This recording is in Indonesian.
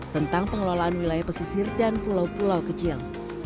tentang pengelolaan wilayah pesisir dan pulau pulau kecil